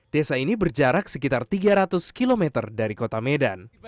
desa ini berjarak sekitar tiga ratus km dari kota medan